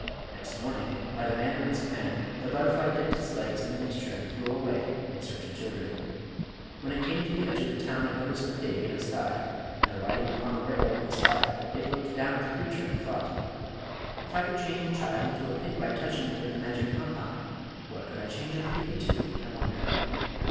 Next morning, by the mandarin's command, the butterfly dipped its legs in the mixture and flew away in search of children. When it came to the edge of the town it noticed a pig in a sty, and alighting upon the rail of the sty it looked down at the creature and thought. "If I could change a child into a pig by touching it with the magic compound, what could I change a pig into, I wonder?"